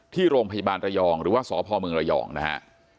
ที่โรงพยาบาลระยองหรือว่าสพเมืองระยองนะฮะ